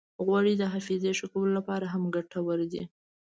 غوړې د حافظې ښه کولو لپاره هم ګټورې دي.